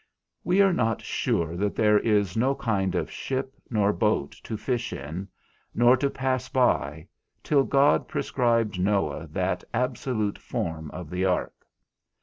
We are not sure that there was no kind of ship nor boat to fish in, nor to pass by, till God prescribed Noah that absolute form of the ark.